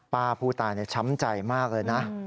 ป้าผู้ตายช้ำใจมากเลยนะ